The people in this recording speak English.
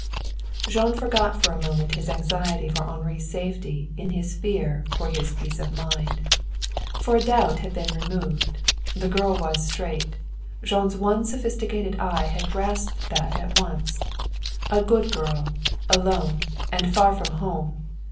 Jean forgot for a moment his anxiety for Henri's safety in his fear for his peace of mind. For a doubt had been removed. The girl was straight. Jean's one sophisticated eye had grasped that at once. A good girl, alone, and far from home!